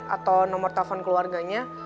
atau nomor telepon keluarganya